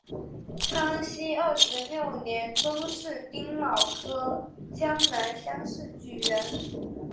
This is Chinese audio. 康熙二十六年中式丁卯科江南乡试举人。